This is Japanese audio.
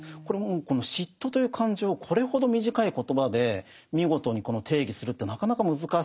この嫉妬という感情をこれほど短い言葉で見事に定義するってなかなか難しいと思うんですね。